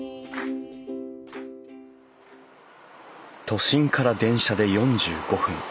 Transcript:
都心から電車で４５分。